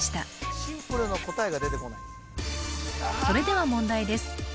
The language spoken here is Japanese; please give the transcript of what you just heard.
それでは問題です